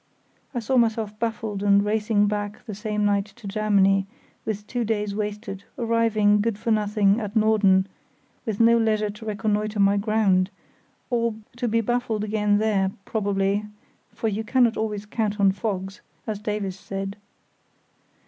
I saw myself baffled and racing back the same night to Germany, with two days wasted, arriving, good for nothing, at Norden, with no leisure to reconnoitre my ground; to be baffled again there, probably, for you cannot always count on fogs (as Davies said).